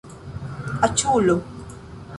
aĉulo